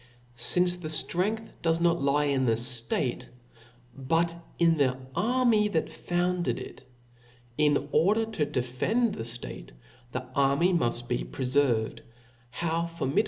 Since the ftrength docs not lie in the ftate, but in the army that founded it j in order to defend the ftate, the army muft be prcferved, how formidable *